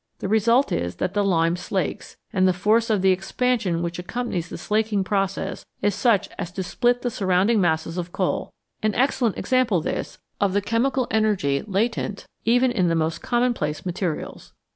The result is that the lime slakes, and the force of the expansion which accompanies the slaking process is such as to SP^t the surrounding masses of coal an excellent example this of the chemical energy latent even in the most commonplace materials.